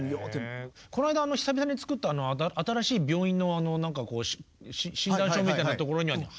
この間久々に作った新しい病院の何かこう診断書みたいなところには俳優って書きましたね。